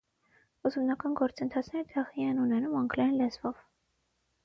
Ուսումնական գործընթացները տեղի են ունենում անգլերեն լեզվով։